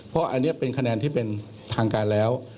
เพราะอันนี้เป็นคะแนนที่เป็นทางการแล้ว